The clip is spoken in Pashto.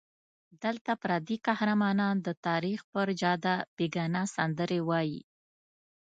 دلته پردي قهرمانان د تاریخ پر جاده بېګانه سندرې وایي.